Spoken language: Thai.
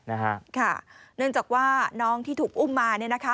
เนื่องจากว่าน้องที่ถูกอุ้มมา